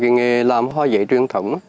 nghề làm hoa giấy truyền thống